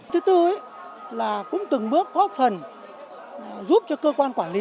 thứ tư là cũng từng bước góp phần giúp cho cơ quan quản lý